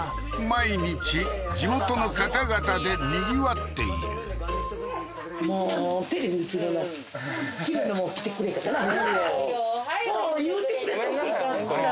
毎日地元の方々でにぎわっているごめんなさい